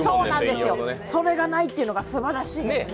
それがないというのがすばらしいですね。